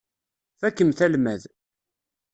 Fakkemt almad.